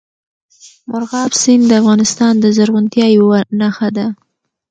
مورغاب سیند د افغانستان د زرغونتیا یوه نښه ده.